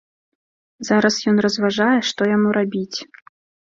Зараз ён разважае, што яму рабіць.